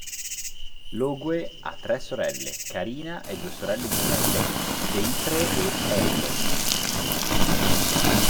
Logue ha tre sorelle, Karina e due sorelle gemelle, Deirdre e Eileen.